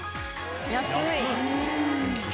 安い。